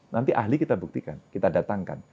nanti ahli kita buktikan kita datangkan